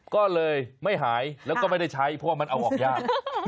ก็เลยไม่หายแล้วก็ไม่ได้ใช้เพราะว่ามันเอาออกยาก